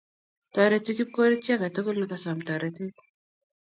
Toreti Kipkorir chi agetugul negasom toretet